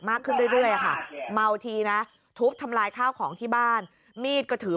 มากขึ้นเรื่อยอะค่ะเมาทีนะทุบทำลายข้าวของที่บ้านมีดก็ถือ